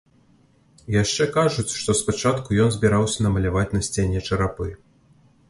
Яшчэ кажуць, што спачатку ён збіраўся намаляваць на сцяне чарапы.